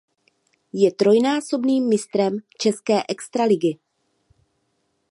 Je trojnásobným mistrem české extraligy.